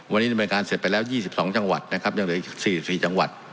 วันนี้บริการเสร็จไปแล้วยี่สิบสองจังหวัดนะครับยังเหลืออีกสี่สี่จังหวัด